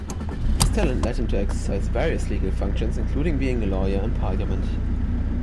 His talent led him to exercise various legal functions, including being a lawyer in Parliament.